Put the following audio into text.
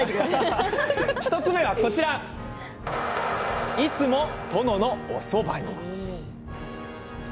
１つ目は、いつも殿のおそばに。